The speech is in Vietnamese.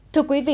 thưa quý vị